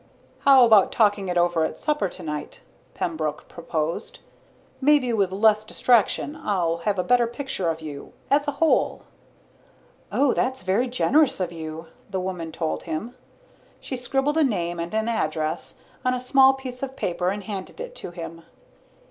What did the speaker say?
"How about talking it over at supper tonight?" Pembroke proposed. "Maybe with less distraction I'll have a better picture of you as a whole." "Oh, that's very generous of you," the woman told him. She scribbled a name and an address on a small piece of paper and handed it to him.